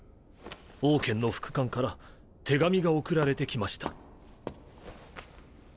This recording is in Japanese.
オウケンの副官から手紙が送られてきました。